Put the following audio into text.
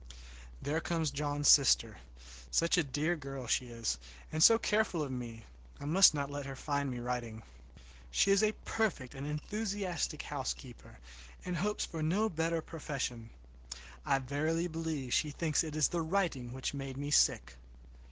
There comes John's sister. Such a dear girl as she is, and so careful of me! I must not let her find me writing. She is a perfect, and enthusiastic housekeeper, and hopes for no better profession. I verily believe she thinks it is the writing which made me sick!